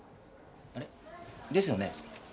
あれ？ですよね？